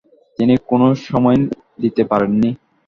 তিনি কোন সময়ই দিতে পারেননি।